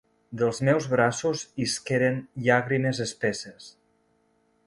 Dels meus braços isqueren llàgrimes espesses.